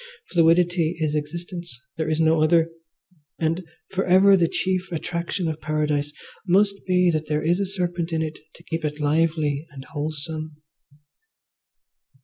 Fluidity is existence, there is no other, and for ever the chief attraction of Paradise must be that there is a serpent in it to keep it lively and wholesome.